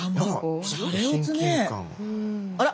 あら！